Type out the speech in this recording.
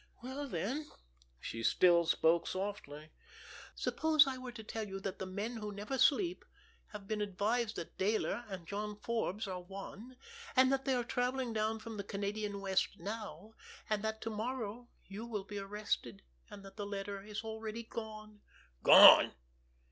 "Well then"—she still spoke softly—"suppose I were to tell you that the Men Who Never Sleep have been advised that Dayler and John Forbes are one, and that they are travelling down from the Canadian West now, and that to morrow you will be arrested—and that the letter is already gone." "Gone!"